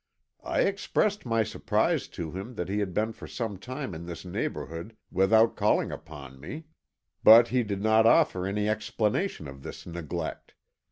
I expressed my surprise to him that he had been for some time in this neighbourhood without calling upon me, but he did not offer any explanation of his neglect.